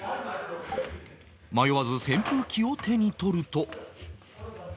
迷わず扇風機を手に取ると